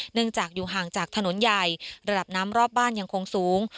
จากอยู่ห่างจากถนนใหญ่ระดับน้ำรอบบ้านยังคงสูง